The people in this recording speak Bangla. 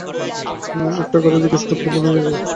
একটা কথা জিজ্ঞেস করতে ভুলে গিয়েছি।